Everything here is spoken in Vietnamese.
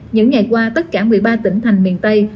những ngày qua tất cả một mươi ba tỉnh thành miền tây